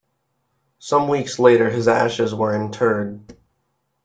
Some weeks later his ashes were interred.